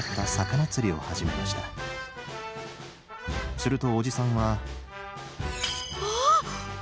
するとおじさんははっ！